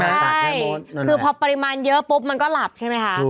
ใช่คือพอปริมาณเยอะปุ๊บมันก็หลับใช่ไหมคะ